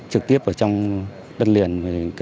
trực tiếp ở trong đất liền